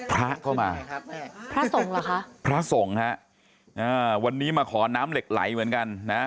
พระเข้ามาพระส่งเหรอคะพระส่งฮะวันนี้มาขอน้ำเหล็กไหลเหมือนกันนะฮะ